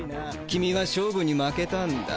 キミは勝負に負けたんだ。